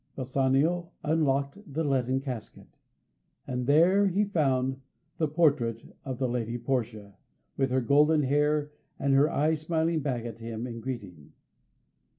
Bassanio unlocked the leaden casket, and there he found the portrait of the lady Portia, with her golden hair and her eyes smiling back at him in greeting.